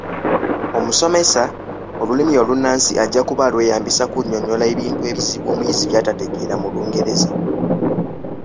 Omusomesa, olulimi olunnansi ajja kuba alweyambisa okunnyonnyola ebintu ebizibu omuyizi by'atategera mu Lungereza.